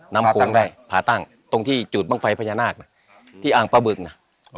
น้ำโครงได้ผ่าตั้งตรงที่จูดบ้างไฟพญานาคที่อ่างประบึกน่ะอ๋อ